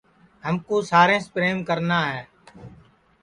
ہمکُو ساریںٚس پریم کرنا ہے